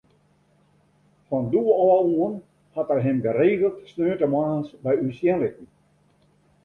Fan doe ôf oan hat er him geregeld sneontemoarns by ús sjen litten.